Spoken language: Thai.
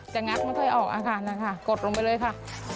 จะงัดไม่ค่อยออกเอาค่ะนั่นค่ะกดลงไปเลยค่ะ